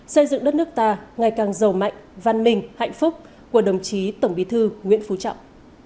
xây dựng đất nước ta ngày càng giàu mạnh văn minh hạnh phúc của đồng chí tổng bí thư nguyễn phú trọng